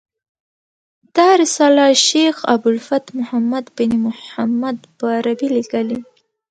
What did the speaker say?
دا رساله شیخ ابو الفتح محمد بن محمد په عربي لیکلې.